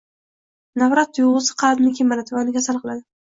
Nafrat tuyg‘usi qalbni kemiradi va uni kasal qiladi